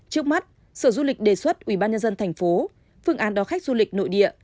trước mắt sở du lịch đề xuất ubnd tp phương án đón khách du lịch nội địa